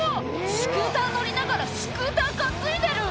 スクーター乗りながらスクーター担いでる！